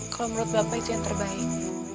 kalau menurut bapak itu yang terbaik